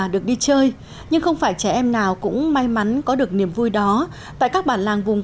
được đi chơi nhưng không phải trẻ em nào cũng may mắn có được niềm vui đó tại các bản làng vùng